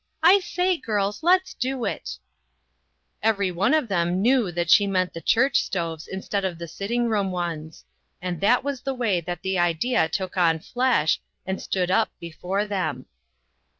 I say, girls, let's do it !" Every one of them knew that she meant the church stoves instead of the sitting room ones, and that was the way that the INTERRUPTED. idea took on flesh, and stood up before them.